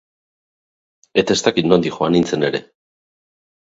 Eta ez dakit nondik joan nintzen ere.